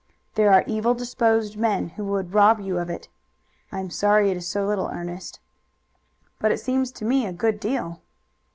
There are evil disposed men who would rob you of it. I am sorry it is so little, Ernest." "But it seems to me a good deal."